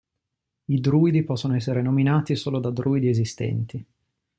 I druidi possono essere nominati solo da druidi esistenti.